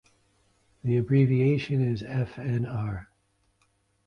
The abbreviation is Fnr.